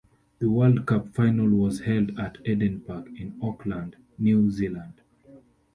The World Cup Final was held at Eden Park in Auckland, New Zealand.